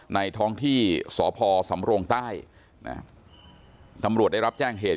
ท้องที่สพสำโรงใต้ตำรวจได้รับแจ้งเหตุ